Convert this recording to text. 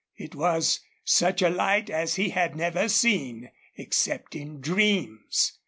It was such a light as he had never seen, except in dreams.